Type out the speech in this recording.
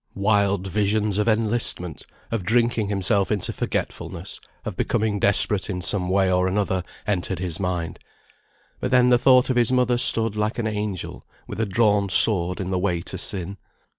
Wild visions of enlistment, of drinking himself into forgetfulness, of becoming desperate in some way or another, entered his mind; but then the thought of his mother stood like an angel with a drawn sword in the way to sin.